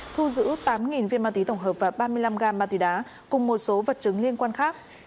thu giữ tám viên ma túy tổng hợp và ba mươi năm gam ma túy đá cùng một số vật chứng liên quan khác